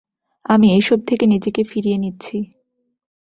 আমি এসব থেকে নিজেকে ফিরিয়ে নিচ্ছি।